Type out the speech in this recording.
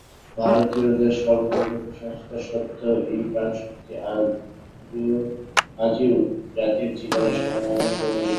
ভারতীয়দের সর্বপ্রকার কুসংস্কার সত্ত্বেও এই প্রাণশক্তি আজিও জাতির জীবনে সমভাবে প্রবাহিত।